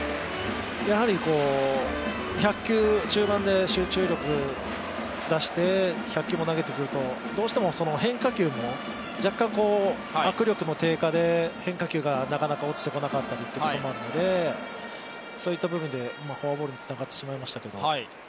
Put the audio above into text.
やはり１００球、中盤で集中力を出して１００球も投げてくるとどうしても変化球も若干握力の低下で変化球がなかなか落ちてこなかったりということもあるので、そういった部分でフォアボールにつながってしまいましたけど。